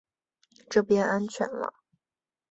这边安全了